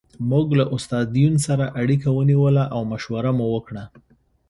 موږ له استاد یون سره اړیکه ونیوله او مشوره مو وکړه